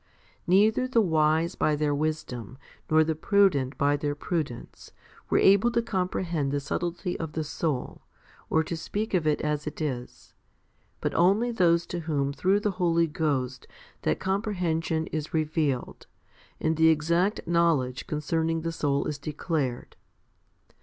Neither the wise by their wisdom nor the prudent by their prudence were able to comprehend the subtil ty of the soul, or to speak of it as it is, but only those to whom through the Holy Ghost that comprehension is revealed, and the exact knowledge concerning the soul is declared.